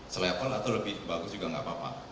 se level atau lebih bagus juga gak apa apa